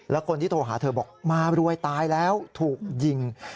แล้วคนที่โทรหาเธอบอกมารวยตายแล้วถูกยิง